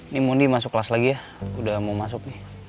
ini mundi masuk kelas lagi ya udah mau masuk nih